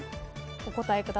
お答えください。